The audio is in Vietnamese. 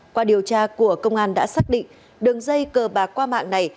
qua điều tra của công an đã xác định đường dây cờ bạc qua mạng này